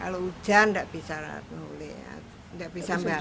kalau hujan nggak bisa lah tulis nggak bisa mbak